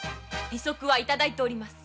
利息は頂いております。